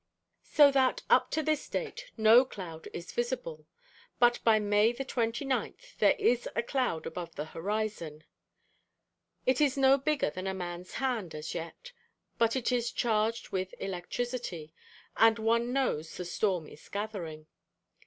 So that, up to this date, no cloud is visible. But by May 29 there is a cloud above the horizon. It is no bigger than 'a man's hand' as yet: but it is charged with electricity, and one knows the storm is gathering.